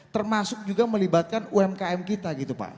termasuk juga melibatkan umkm kita gitu pak